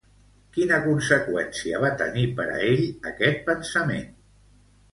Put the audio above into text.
Quina conseqüència va tenir per a ell aquest pensament?